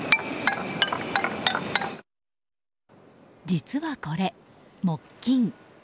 実はこれ、木琴。